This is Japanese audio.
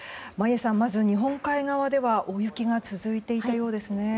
眞家さん、まず日本海側では大雪が続いていたようですね。